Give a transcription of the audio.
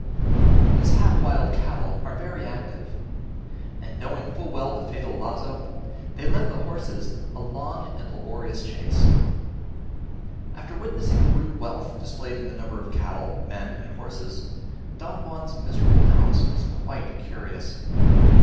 These half wild cattle are very active; and knowing full well the fatal lazo, they led the horses a long and laborious chase. After witnessing the rude wealth displayed in the number of cattle, men, and horses, Don Juan's miserable house was quite curious.